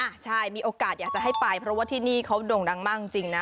ใช่มีโอกาสอยากจะให้ไปเพราะว่าที่นี่เขาโด่งดังมากจริงนะ